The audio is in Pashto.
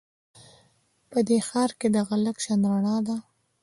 په دې ښار کې دغه لږه شان رڼا ده